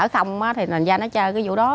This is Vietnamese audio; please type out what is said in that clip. còn ở không thì thành ra nó chơi cái vụ đó